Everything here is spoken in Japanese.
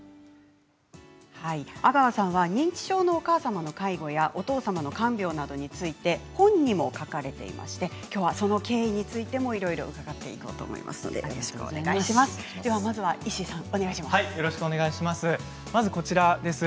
阿川さんは認知症のお母様の介護やお父様の看病などについて本にも書かれていましてきょうはその経緯についてもいろいろ伺っていこうと思いますので、よろしくお願いします。